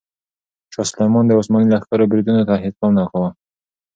شاه سلیمان د عثماني لښکرو بریدونو ته هیڅ پام نه کاوه.